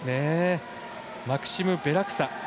マクシム・ベラクサ。